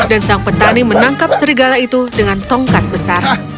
dan sang petani menangkap serigala itu dengan tongkat besar